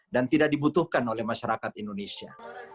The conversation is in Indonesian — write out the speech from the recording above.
dan tidak dibutuhkan oleh masyarakat indonesia